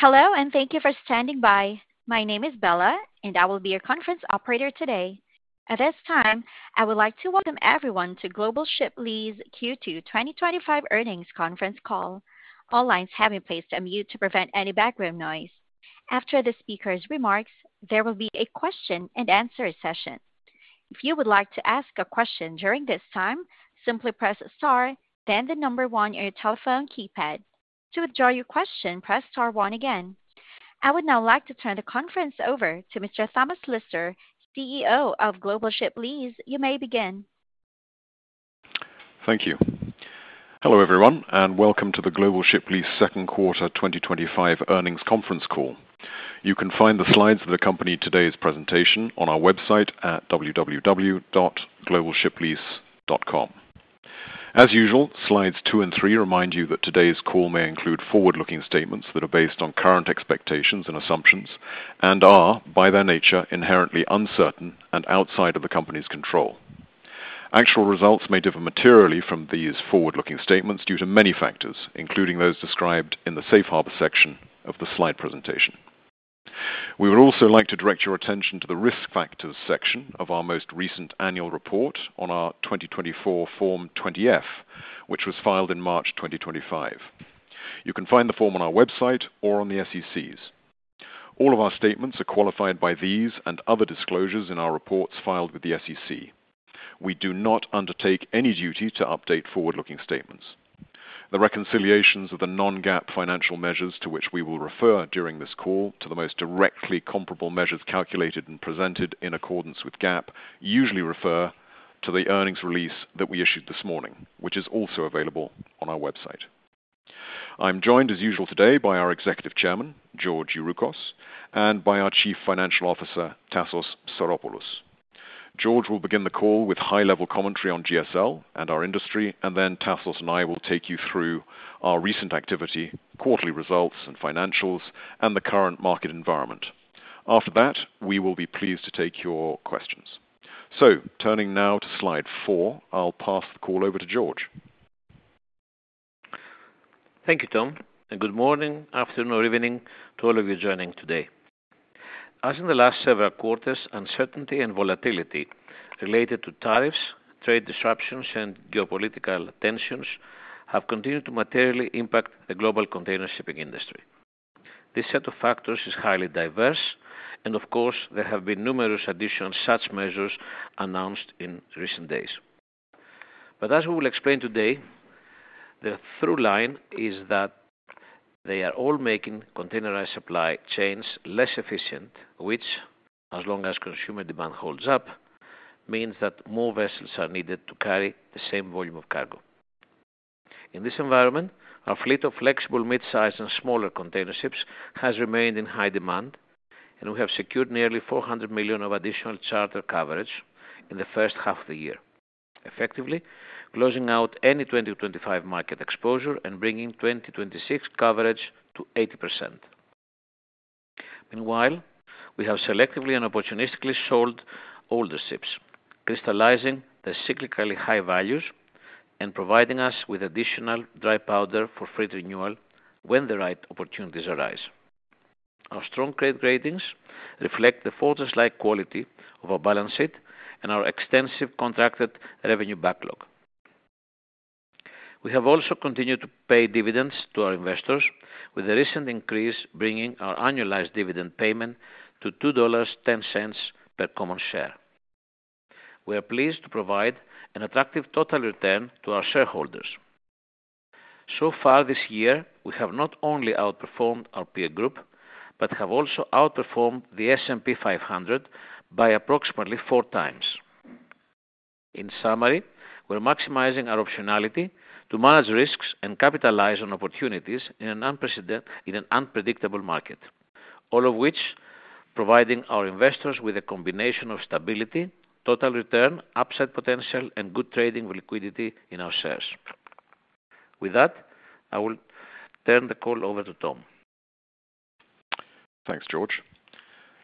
Hello and thank you for standing by. My name is Bella, and I will be your conference operator today. At this time, I would like to welcome everyone to Global Ship Lease Q2 2025 Earnings Conference Call. All lines have been placed on mute to prevent any background noise. After the speaker's remarks, there will be a question and answer session. If you would like to ask a question during this time, simply press star, then the number one on your telephone keypad. To withdraw your question, press star one again. I would now like to turn the conference over to Mr. Thomas Lister, CEO of Global Ship Lease. You may begin. Thank you. Hello everyone, and welcome to the Global Ship Lease Second Quarter 2025 Earnings Conference Call. You can find the slides that accompany today's presentation on our website at www.globalshiplease.com. As usual, slides two and three remind you that today's call may include forward-looking statements that are based on current expectations and assumptions and are, by their nature, inherently uncertain and outside of the company's control. Actual results may differ materially from these forward-looking statements due to many factors, including those described in the safe harbor section of the slide presentation. We would also like to direct your attention to the risk factors section of our most recent annual report on our 2024 Form 20-F, which was filed in March 2025. You can find the form on our website or on the SEC's. All of our statements are qualified by these and other disclosures in our reports filed with the SEC. We do not undertake any duty to update forward-looking statements. The reconciliations of the non-GAAP financial measures to which we will refer during this call to the most directly comparable measures calculated and presented in accordance with GAAP usually refer to the earnings release that we issued this morning, which is also available on our website. I'm joined, as usual today, by our Executive Chairman, George Youroukos, and by our Chief Financial Officer, Tassos Psaropoulos. George will begin the call with high-level commentary on GSL and our industry, and then Tassos and I will take you through our recent activity, quarterly results and financials, and the current market environment. After that, we will be pleased to take your questions. Turning now to slide four, I'll pass the call over to George. Thank you, Tom, and good morning, afternoon, or evening to all of you joining today. As in the last several quarters, uncertainty and volatility related to tariffs, trade disruptions, and geopolitical tensions have continued to materially impact the global container shipping industry. This set of factors is highly diverse, and of course, there have been numerous additional such measures announced in recent days. As we will explain today, the through line is that they are all making containerized supply chains less efficient, which, as long as consumer demand holds up, means that more vessels are needed to carry the same volume of cargo. In this environment, our fleet of flexible mid-size and smaller container ships has remained in high demand, and we have secured nearly $400 million of additional charter coverage in the first half of the year, effectively closing out any 2025 market exposure and bringing 2026 coverage to 80%. Meanwhile, we have selectively and opportunistically sold older ships, crystallizing the cyclically high values and providing us with additional dry powder for fleet renewal when the right opportunities arise. Our strong credit ratings reflect the flawless quality of our balance sheet and our extensive contracted revenue backlog. We have also continued to pay dividends to our investors, with a recent increase bringing our annualized dividend payment to $2.10 per common share. We are pleased to provide an attractive total return to our shareholders. So far this year, we have not only outperformed our peer group, but have also outperformed the S&P 500 by approximately 4x. In summary, we're maximizing our optionality to manage risks and capitalize on opportunities in an unpredictable market, all of which provide our investors with a combination of stability, total return, upside potential, and good trading liquidity in our shares. With that, I will turn the call over to Tom. Thanks, George.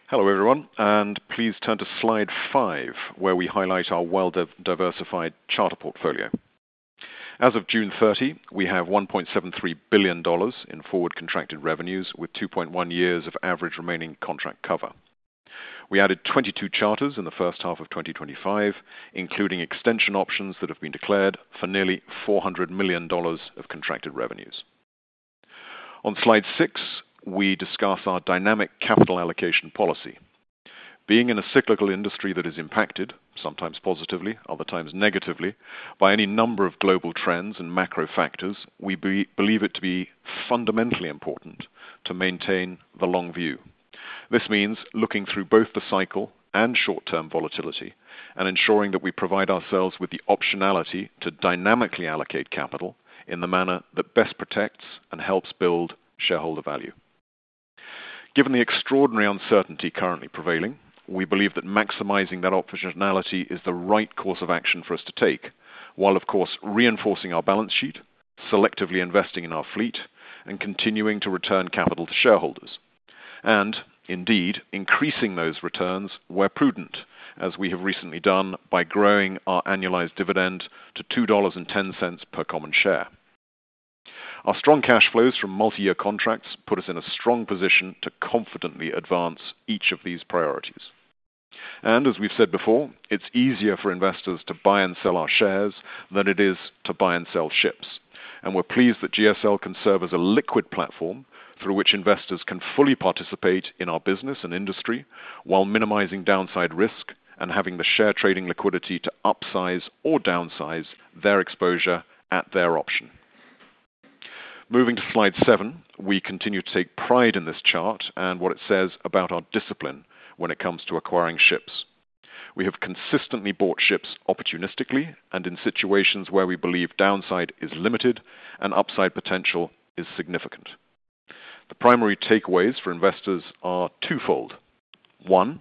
Hello everyone, and please turn to slide five, where we highlight our well-diversified charter portfolio. As of June 30, we have $1.73 billion in forward contracted revenues, with 2.1 years of average remaining contract cover. We added 22 charters in the first half of 2025, including extension options that have been declared for nearly $400 million of contracted revenues. On slide six, we discuss our dynamic capital allocation policy. Being in a cyclical industry that is impacted, sometimes positively, other times negatively, by any number of global trends and macro factors, we believe it to be fundamentally important to maintain the long view. This means looking through both the cycle and short-term volatility and ensuring that we provide ourselves with the optionality to dynamically allocate capital in the manner that best protects and helps build shareholder value. Given the extraordinary uncertainty currently prevailing, we believe that maximizing that optionality is the right course of action for us to take, while, of course, reinforcing our balance sheet, selectively investing in our fleet, and continuing to return capital to shareholders, and indeed increasing those returns where prudent, as we have recently done by growing our annualized dividend to $2.10 per common share. Our strong cash flows from multi-year contracts put us in a strong position to confidently advance each of these priorities. As we've said before, it's easier for investors to buy and sell our shares than it is to buy and sell ships. We're pleased that GSL can serve as a liquid platform through which investors can fully participate in our business and industry while minimizing downside risk and having the share trading liquidity to upsize or downsize their exposure at their option. Moving to slide seven, we continue to take pride in this chart and what it says about our discipline when it comes to acquiring ships. We have consistently bought ships opportunistically and in situations where we believe downside is limited and upside potential is significant. The primary takeaways for investors are twofold. One,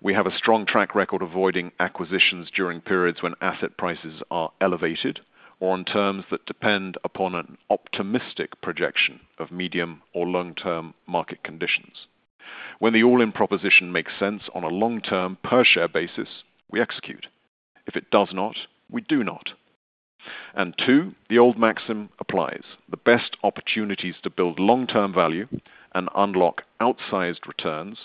we have a strong track record avoiding acquisitions during periods when asset prices are elevated or on terms that depend upon an optimistic projection of medium or long-term market conditions. When the all-in proposition makes sense on a long-term per-share basis, we execute. If it does not, we do not. The old maxim applies: the best opportunities to build long-term value and unlock outsized returns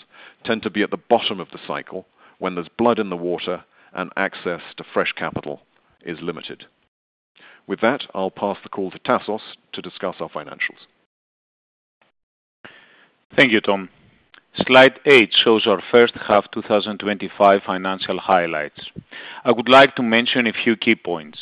tend to be at the bottom of the cycle when there's blood in the water and access to fresh capital is limited. With that, I'll pass the call to Tassos to discuss our financials. Thank you, Tom. Slide eight shows our first half 2025 financial highlights. I would like to mention a few key points.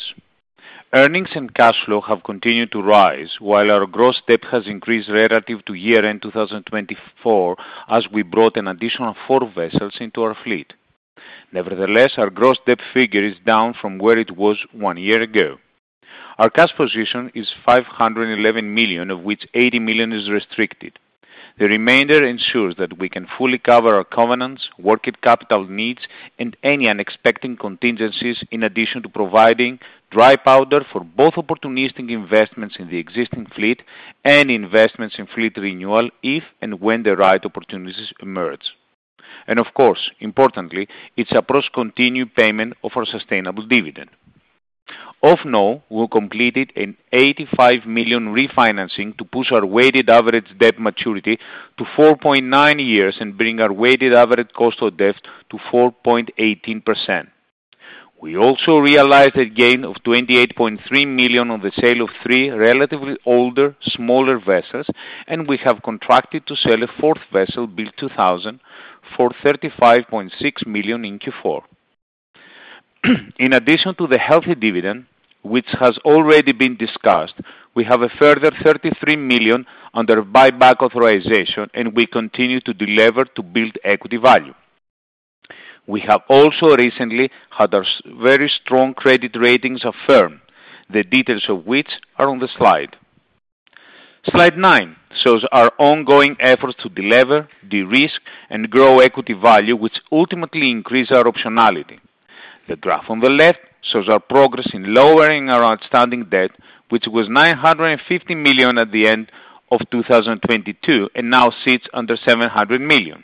Earnings and cash flow have continued to rise while our gross debt has increased relative to year-end 2024 as we brought an additional four vessels into our fleet. Nevertheless, our gross debt figure is down from where it was one year ago. Our cash position is $511 million, of which $80 million is restricted. The remainder ensures that we can fully cover our covenants, working capital needs, and any unexpected contingencies in addition to providing dry powder for both opportunistic investments in the existing fleet and investments in fleet renewal if and when the right opportunities emerge. Of course, importantly, it's across continued payment of our sustainable dividend. Of note, we completed an $85 million refinancing to push our weighted average debt maturity to 4.9 years and bring our weighted average cost of debt to 4.18%. We also realized a gain of $28.3 million on the sale of three relatively older, smaller vessels, and we have contracted to sell a fourth vessel, built 2000, for $35.6 million in Q4. In addition to the healthy dividend, which has already been discussed, we have a further $33 million under buyback authorization, and we continue to deliver to build equity value. We have also recently had our very strong credit ratings affirmed, the details of which are on the slide. Slide nine shows our ongoing efforts to deliver, de-risk, and grow equity value, which ultimately increase our optionality. The graph on the left shows our progress in lowering our outstanding debt, which was $950 million at the end of 2022 and now sits under $700 million.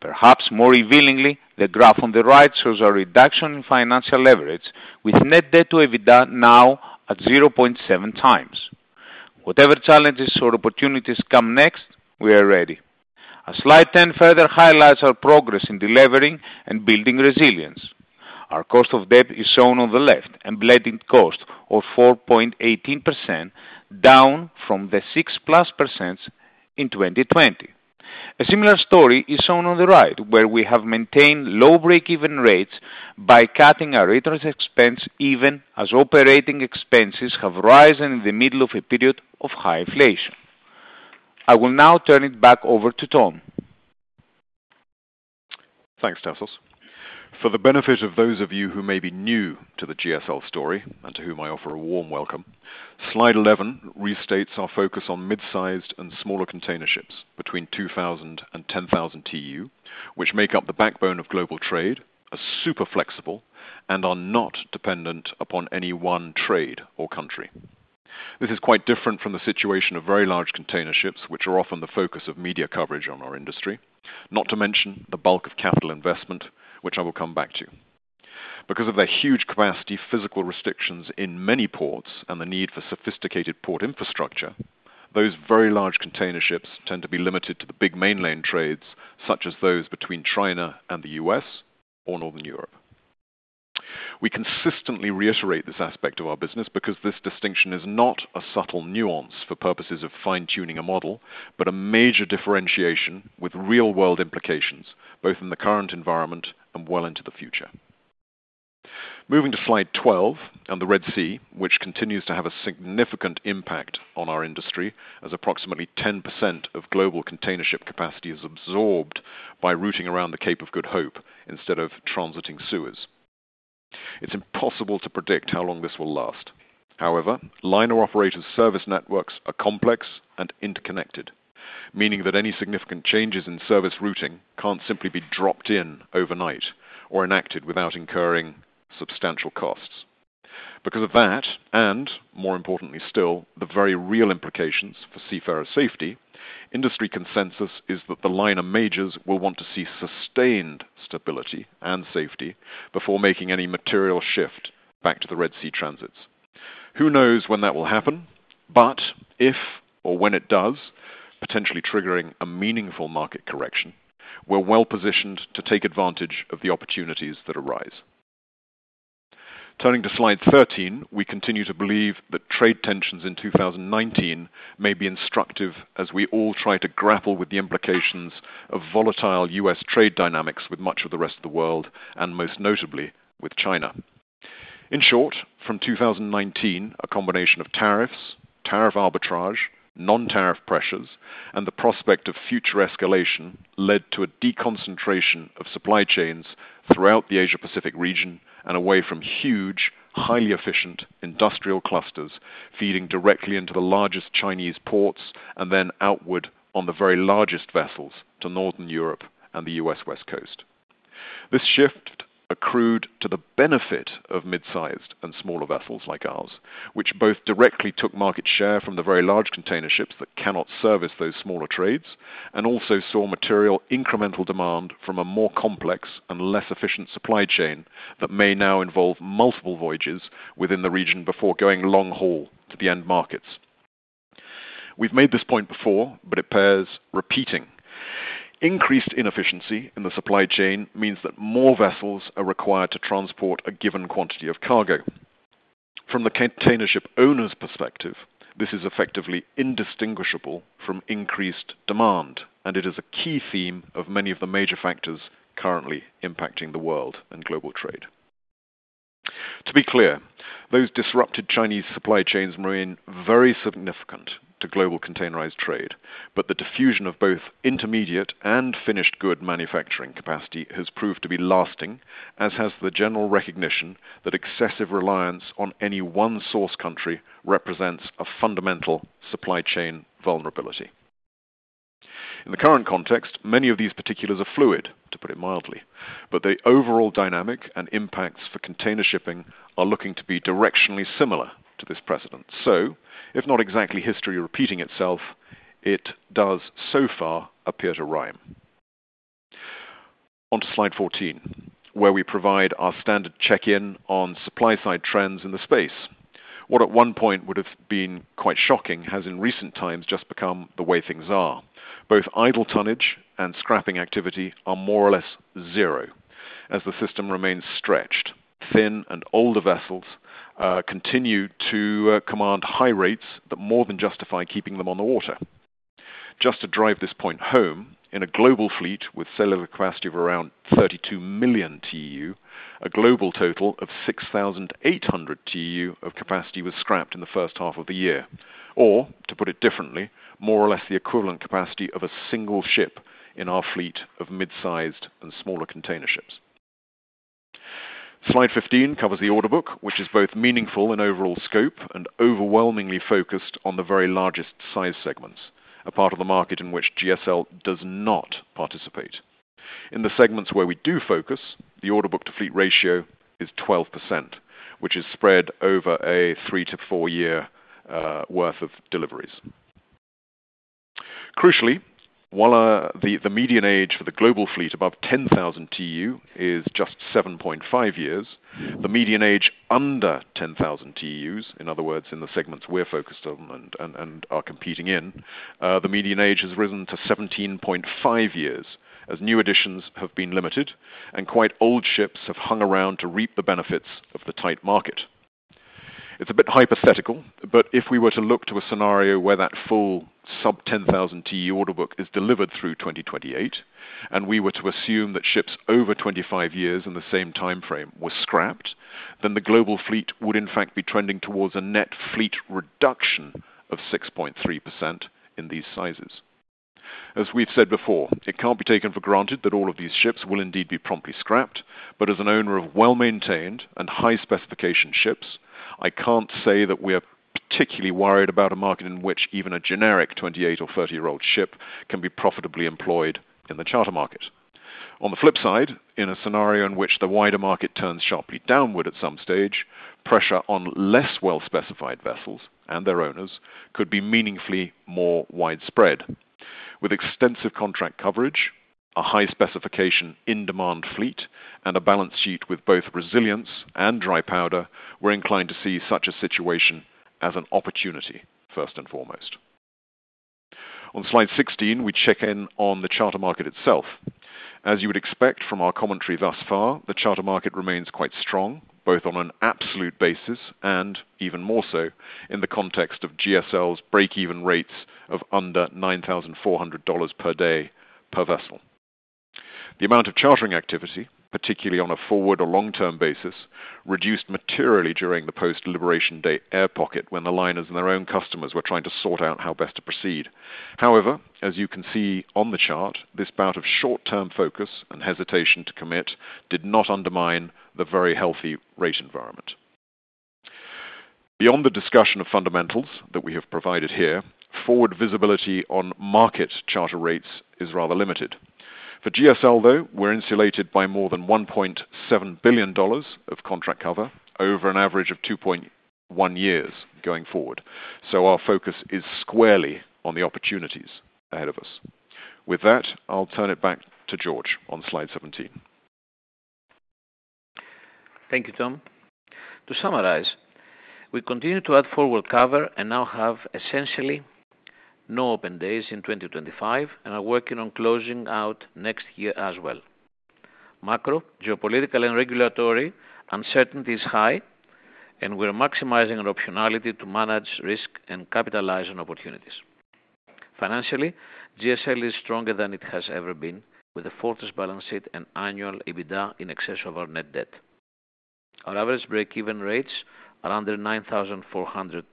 Perhaps more revealingly, the graph on the right shows our reduction in financial leverage, with net debt to EBITDA now at 0.7x. Whatever challenges or opportunities come next, we are ready. Slide 10 further highlights our progress in delivering and building resilience. Our cost of debt is shown on the left, and blended cost of 4.18%, down from the 6%+ in 2020. A similar story is shown on the right, where we have maintained low break-even rates by cutting our interest expense even as operating expenses have risen in the middle of a period of high inflation. I will now turn it back over to Tom. Thanks, Tassos. For the benefit of those of you who may be new to the GSL story and to whom I offer a warm welcome, slide 11 restates our focus on mid-sized and smaller container ships between 2,000 TEU and 10,000 TEU, which make up the backbone of global trade, are super flexible, and are not dependent upon any one trade or country. This is quite different from the situation of very large container ships, which are often the focus of media coverage on our industry, not to mention the bulk of capital investment, which I will come back to. Because of the huge capacity, physical restrictions in many ports, and the need for sophisticated port infrastructure, those very large container ships tend to be limited to the big mainline trades, such as those between China and the U.S. or Northern Europe. We consistently reiterate this aspect of our business because this distinction is not a subtle nuance for purposes of fine-tuning a model, but a major differentiation with real-world implications, both in the current environment and well into the future. Moving to slide 12 and the Red Sea, which continues to have a significant impact on our industry, as approximately 10% of global container ship capacity is absorbed by routing around the Cape of Good Hope instead of transiting Suez. It's impossible to predict how long this will last. However, liner operators' service networks are complex and interconnected, meaning that any significant changes in service routing can't simply be dropped in overnight or enacted without incurring substantial costs. Because of that, and more importantly still, the very real implications for seafarer safety, industry consensus is that the liner majors will want to see sustained stability and safety before making any material shift back to the Red Sea transits. Who knows when that will happen, but if or when it does, potentially triggering a meaningful market correction, we're well positioned to take advantage of the opportunities that arise. Turning to slide 13, we continue to believe that trade tensions in 2019 may be instructive as we all try to grapple with the implications of volatile U.S. trade dynamics with much of the rest of the world, and most notably with China. In short, from 2019, a combination of tariffs, tariff arbitrage, non-tariff pressures, and the prospect of future escalation led to a deconcentration of supply chains throughout the Asia-Pacific region and away from huge, highly efficient industrial clusters feeding directly into the largest Chinese ports and then outward on the very largest vessels to Northern Europe and the U.S. West Coast. This shift accrued to the benefit of mid-sized and smaller vessels like ours, which both directly took market share from the very large container ships that cannot service those smaller trades, and also saw material incremental demand from a more complex and less efficient supply chain that may now involve multiple voyages within the region before going long haul to the end markets. We've made this point before, but it bears repeating. Increased inefficiency in the supply chain means that more vessels are required to transport a given quantity of cargo. From the container ship owner's perspective, this is effectively indistinguishable from increased demand, and it is a key theme of many of the major factors currently impacting the world and global trade. To be clear, those disrupted Chinese supply chains remain very significant to global containerized trade, but the diffusion of both intermediate and finished good manufacturing capacity has proved to be lasting, as has the general recognition that excessive reliance on any one source country represents a fundamental supply chain vulnerability. In the current context, many of these particulars are fluid, to put it mildly, but the overall dynamic and impacts for container shipping are looking to be directionally similar to this precedent. If not exactly history repeating itself, it does so far appear to rhyme. Onto slide 14, where we provide our standard check-in on supply-side trends in the space. What at one point would have been quite shocking has in recent times just become the way things are. Both idle tonnage and scrapping activity are more or less zero as the system remains stretched. Thin and older vessels continue to command high rates that more than justify keeping them on the water. Just to drive this point home, in a global fleet with cellular capacity of around 32 million TEU, a global total of 6,800 TEU of capacity was scrapped in the first half of the year, or to put it differently, more or less the equivalent capacity of a single ship in our fleet of mid-sized and smaller container ships. Slide 15 covers the order book, which is both meaningful in overall scope and overwhelmingly focused on the very largest size segments, a part of the market in which GSL does not participate. In the segments where we do focus, the order book to fleet ratio is 12%, which is spread over a three to four-year worth of deliveries. Crucially, while the median age for the global fleet above 10,000 TEU is just 7.5 years, the median age under 10,000 TEUs, in other words, in the segments we're focused on and are competing in, the median age has risen to 17.5 years as new additions have been limited and quite old ships have hung around to reap the benefits of the tight market. It's a bit hypothetical, but if we were to look to a scenario where that full sub-10,000 TEU order book is delivered through 2028, and we were to assume that ships over 25 years in the same timeframe were scrapped, then the global fleet would in fact be trending towards a net fleet reduction of 6.3% in these sizes. As we've said before, it can't be taken for granted that all of these ships will indeed be promptly scrapped, but as an owner of well-maintained and high-specification ships, I can't say that we're particularly worried about a market in which even a generic 28 or 30-year-old ship can be profitably employed in the charter market. On the flip side, in a scenario in which the wider market turns sharply downward at some stage, pressure on less well-specified vessels and their owners could be meaningfully more widespread. With extensive contract coverage, a high-specification in-demand fleet, and a balance sheet with both resilience and dry powder, we're inclined to see such a situation as an opportunity, first and foremost. On slide 16, we check in on the charter market itself. As you would expect from our commentary thus far, the charter market remains quite strong, both on an absolute basis and even more so in the context of GSL's break-even rates of under $9,400 per day per vessel. The amount of chartering activity, particularly on a forward or long-term basis, reduced materially during the post-liberation day air pocket when the liners and their own customers were trying to sort out how best to proceed. However, as you can see on the chart, this bout of short-term focus and hesitation to commit did not undermine the very healthy rate environment. Beyond the discussion of fundamentals that we have provided here, forward visibility on market charter rates is rather limited. For GSL, though, we're insulated by more than $1.7 billion of contract cover over an average of 2.1 years going forward. Our focus is squarely on the opportunities ahead of us. With that, I'll turn it back to George on slide 17. Thank you, Tom. To summarize, we continue to add forward cover and now have essentially no open days in 2025 and are working on closing out next year as well. Macro, geopolitical, and regulatory uncertainty is high, and we're maximizing our optionality to manage risk and capitalize on opportunities. Financially, GSL is stronger than it has ever been, with a fortress balance sheet and annual EBITDA in excess of our net debt. Our average break-even rates are under $9,400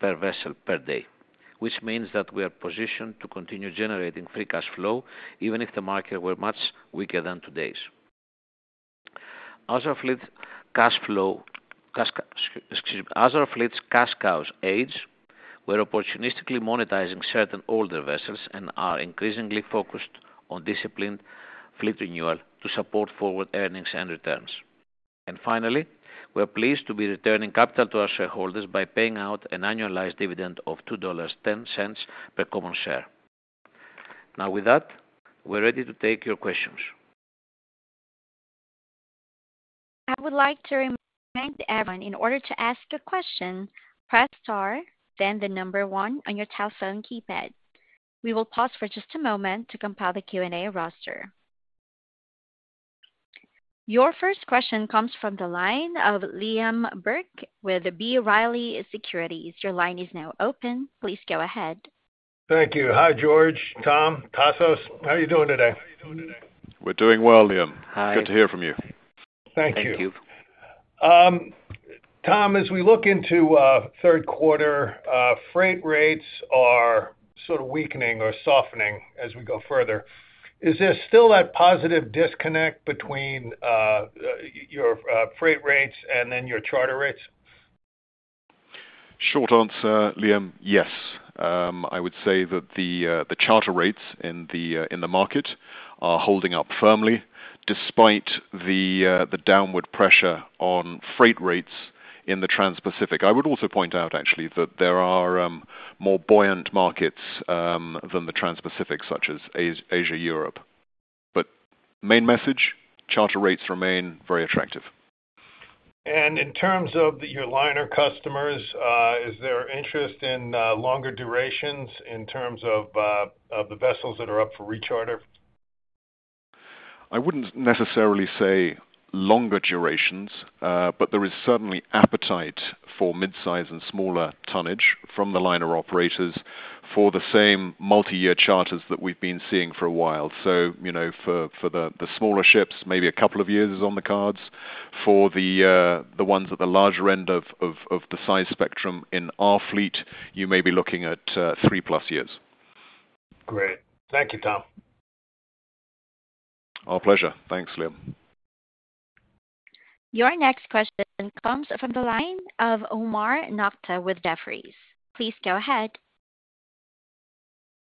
per vessel per day, which means that we are positioned to continue generating free cash flow even if the market were much weaker than today's. As our fleet's cash cows age, we're opportunistically monetizing certain older vessels and are increasingly focused on disciplined fleet renewal to support forward earnings and returns. Finally, we're pleased to be returning capital to our shareholders by paying out an annualized dividend of $2.10 per common share. Now, with that, we're ready to take your questions. I would like to remind everyone, in order to ask a question, press star, then the number one on your keypad. We will pause for just a moment to compile the Q&A roster. Your first question comes from the line of Liam Burke with B. Riley Securities. Your line is now open. Please go ahead. Thank you. Hi, George, Tom, Tassos, how are you doing today? We're doing well, Liam. Good to hear from you. Thank you. Tom, as we look into the third quarter, freight rates are sort of weakening or softening as we go further. Is there still that positive disconnect between your freight rates and then your charter rates? Short answer, Liam, yes. I would say that the charter rates in the market are holding up firmly despite the downward pressure on freight rates in the Trans-Pacific. I would also point out, actually, that there are more buoyant markets than the Trans-Pacific, such as Asia-Europe. The main message, charter rates remain very attractive. In terms of your liner customers, is there interest in longer durations in terms of the vessels that are up for recharter? I wouldn't necessarily say longer durations, but there is certainly appetite for mid-sized and smaller tonnage from the liner operators for the same multi-year charters that we've been seeing for a while. For the smaller ships, maybe a couple of years is on the cards. For the ones at the larger end of the size spectrum in our fleet, you may be looking at three plus years. Great. Thank you, Tom. Our pleasure. Thanks, Liam. Your next question comes from the line of Omar Nokta with Jefferies. Please go ahead.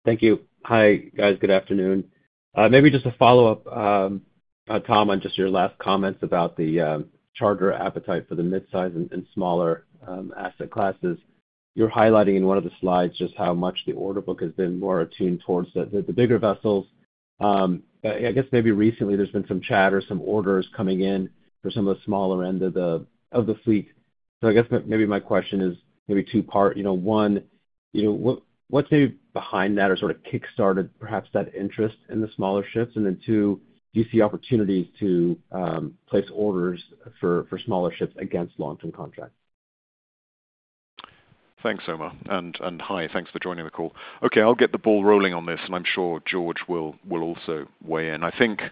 Thank you. Hi, guys. Good afternoon. Maybe just a follow-up, Tom, on just your last comments about the charter appetite for the mid-sized and smaller asset classes. You're highlighting in one of the slides just how much the order book has been more attuned towards the bigger vessels. I guess maybe recently there's been some chat or some orders coming in for some of the smaller end of the fleet. I guess my question is maybe two parts. One, what's maybe behind that or sort of kickstarted perhaps that interest in the smaller ships? Then, do you see opportunities to place orders for smaller ships against long-term contracts? Thanks, Omar, and hi, thanks for joining the call. Okay, I'll get the ball rolling on this, and I'm sure George will also weigh in. I think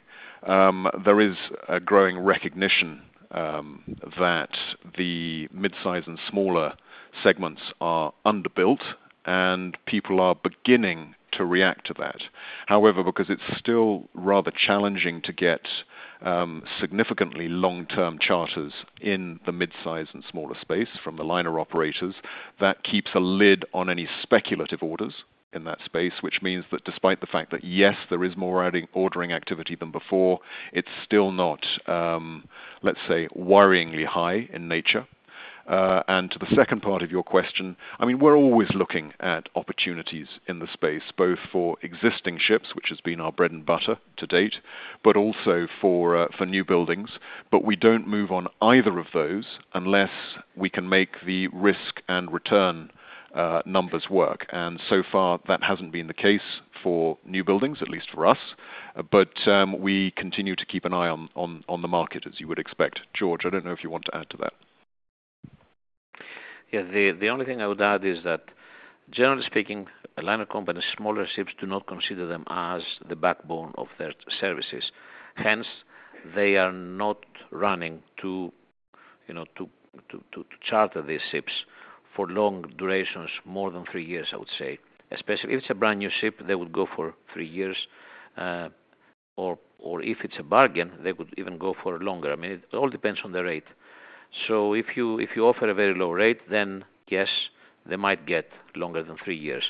there is a growing recognition that the mid-sized and smaller segments are underbuilt, and people are beginning to react to that. However, because it's still rather challenging to get significantly long-term charters in the mid-sized and smaller space from the liner operators, that keeps a lid on any speculative orders in that space, which means that despite the fact that yes, there is more ordering activity than before, it's still not, let's say, worryingly high in nature. To the second part of your question, I mean, we're always looking at opportunities in the space, both for existing ships, which has been our bread and butter to date, but also for new buildings. We don't move on either of those unless we can make the risk and return numbers work. So far, that hasn't been the case for new buildings, at least for us. We continue to keep an eye on the market, as you would expect. George, I don't know if you want to add to that. Yeah, the only thing I would add is that, generally speaking, liner companies, smaller ships do not consider them as the backbone of their services. Hence, they are not running to charter these ships for long durations, more than three years, I would say. Especially if it's a brand new ship, they would go for three years. If it's a bargain, they could even go for longer. It all depends on the rate. If you offer a very low rate, then yes, they might get longer than three years.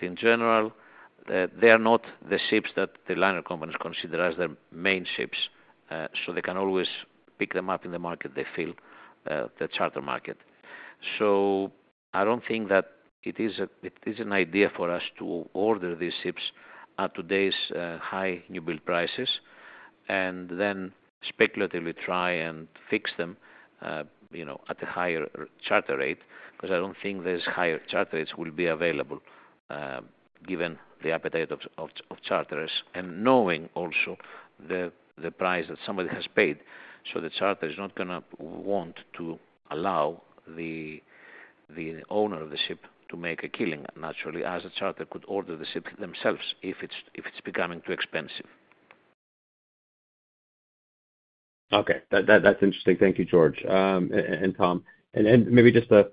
In general, they are not the ships that the liner companies consider as their main ships. They can always pick them up in the market they feel, the charter market. I don't think that it is an idea for us to order these ships at today's high new build prices and then speculatively try and fix them at a higher charter rate, because I don't think those higher charter rates will be available given the appetite of charters and knowing also the price that somebody has paid. The charter is not going to want to allow the owner of the ship to make a killing, naturally, as a charter could order the ship themselves if it's becoming too expensive. Okay, that's interesting. Thank you, George and Tom. Maybe just a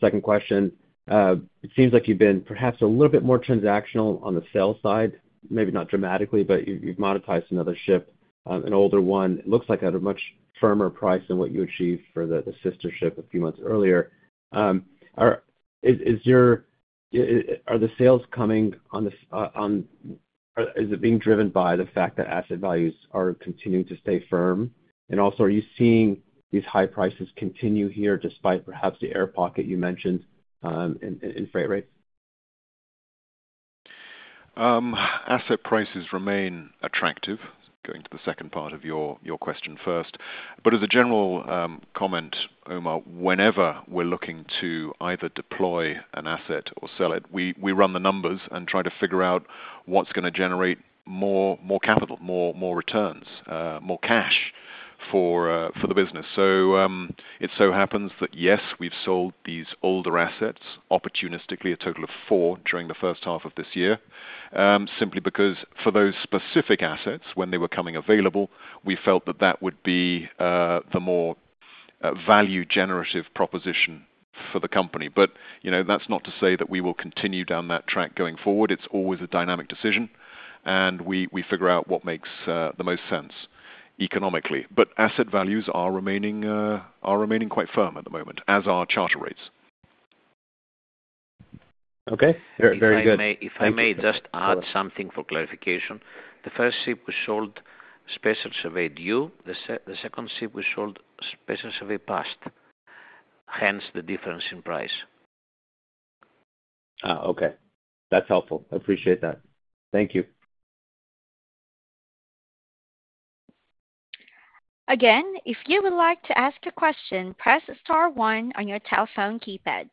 second question. It seems like you've been perhaps a little bit more transactional on the sale side, maybe not dramatically, but you've monetized another ship, an older one. It looks like at a much firmer price than what you achieved for the sister ship a few months earlier. Are the sales coming on the. Is it being driven by the fact that asset values are continuing to stay firm? Also, are you seeing these high prices continue here despite perhaps the air pocket you mentioned in freight rates? Asset prices remain attractive, going to the second part of your question first. As a general comment, Omar, whenever we're looking to either deploy an asset or sell it, we run the numbers and try to figure out what's going to generate more capital, more returns, more cash for the business. It so happens that yes, we've sold these older assets opportunistically, a total of four during the first half of this year, simply because for those specific assets, when they were coming available, we felt that that would be the more value-generative proposition for the company. That's not to say that we will continue down that track going forward. It's always a dynamic decision, and we figure out what makes the most sense economically. Asset values are remaining quite firm at the moment, as are charter rates. Okay, very good. If I may just add something for clarification, the first ship we sold specifically surveyed due. The second ship we sold specifically surveyed passed. Hence the difference in price. Okay, that's helpful. I appreciate that. Thank you. Again, if you would like to ask a question, press star one on your telephone keypad.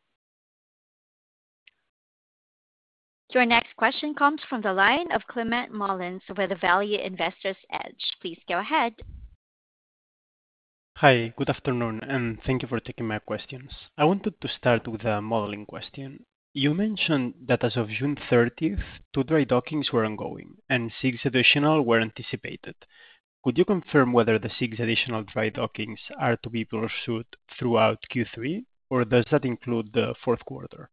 Your next question comes from the line of Climent Molins with Value Investor's Edge. Please go ahead. Hi, good afternoon, and thank you for taking my questions. I wanted to start with a modeling question. You mentioned that as of June 30th, two dry dockings were ongoing, and six additional were anticipated. Could you confirm whether the six additional dry dockings are to be pursued throughout Q3, or does that include the fourth quarter?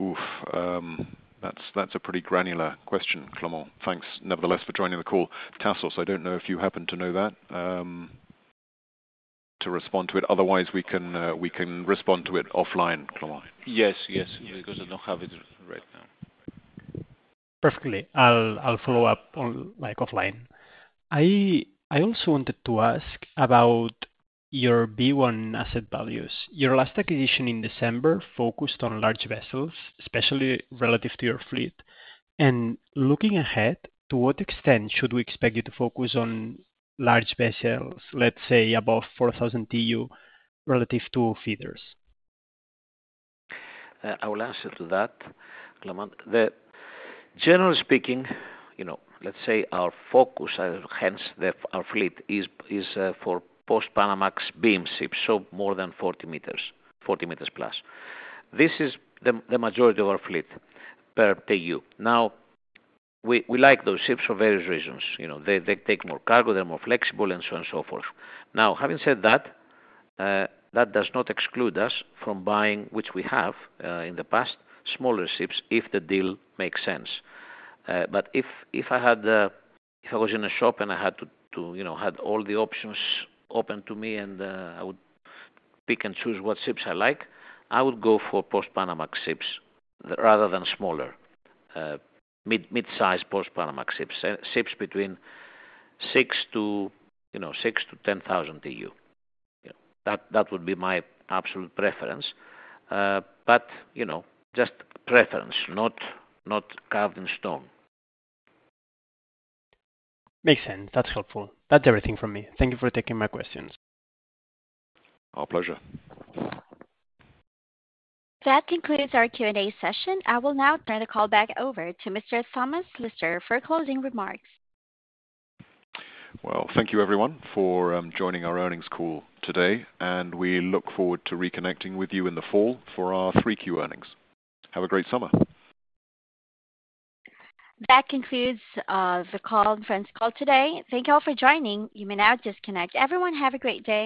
That's a pretty granular question, Climent. Thanks nonetheless for joining the call. Tassos, I don't know if you happen to know that, to respond to it. Otherwise, we can respond to it offline, Climent. Yes, because I don't have it right now. Perfectly. I'll follow up offline. I also wanted to ask about your asset values. Your last acquisition in December focused on large vessels, especially relative to your fleet. Looking ahead, to what extent should we expect you to focus on large vessels, let's say above 4,000 TEU relative to feeders? I will answer to that, Climent. Generally speaking, let's say our focus, hence our fleet, is for post-Panamax beam ships, so more than 40 m, 40+ m. This is the majority of our fleet per TEU. We like those ships for various reasons. They take more cargo, they're more flexible, and so on and so forth. Having said that, that does not exclude us from buying, which we have in the past, smaller ships if the deal makes sense. If I was in a shop and I had all the options open to me and I would pick and choose what ships I like, I would go for post-Panamax ships rather than smaller, mid-sized post-Panamax ships, ships between 6,000 TEU-10,000 TEU. That would be my absolute preference. Just preference, not carved in stone. Makes sense. That's helpful. That's everything from me. Thank you for taking my questions. Our pleasure. That concludes our Q&A session. I will now turn the call back over to Mr. Thomas Lister for closing remarks. Thank you everyone for joining our earnings call today, and we look forward to reconnecting with you in the fall for our 3Q earnings. Have a great summer. That concludes the call and friends call today. Thank you all for joining. You may now disconnect. Everyone, have a great day.